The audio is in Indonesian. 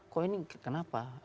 kok ini kenapa